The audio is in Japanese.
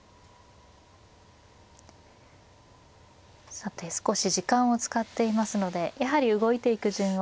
さて少し時間を使っていますのでやはり動いていく順を。